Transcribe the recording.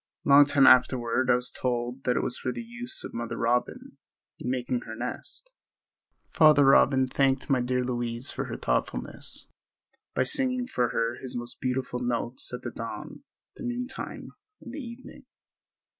A long time afterward I was told that it was for the use of Mother Robin in making her nest. Father Robin thanked my dear Louise for her thoughtfulness by singing for her his most beautiful notes at the dawn, the noon time and the evening.